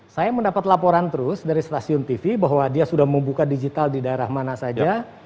saya mendapat laporan terus dari stasiun tv bahwa dia sudah membuka digital di daerah mana saja